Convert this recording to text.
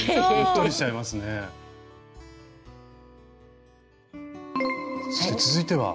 そして続いては。